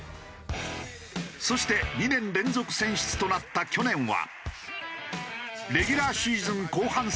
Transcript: そして２年連続選出となった去年は。